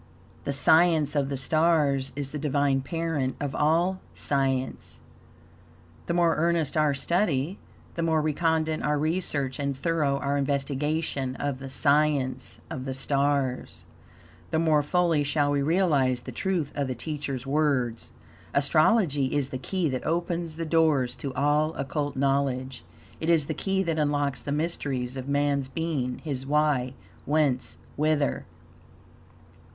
The science of the stars is the Divine parent of all science. The more earnest our study, the more recondite our research and thorough our investigation of the "Science of the Stars," the more fully shall we realize the truth of the teacher's words: "Astrology is the key that opens the door to all occult knowledge." It is the key that unlocks the mysteries of man's being; his why, whence, whither.